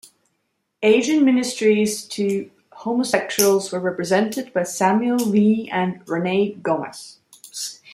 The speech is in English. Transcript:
Asian ministries to homosexuals were represented by Samuel Lee and Rene Gomez.